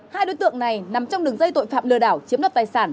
hai đối tượng này nằm trong đường dây tội phạm lừa đảo chiếm đoạt tài sản